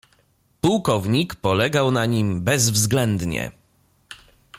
"Pułkownik polegał na nim bezwzględnie."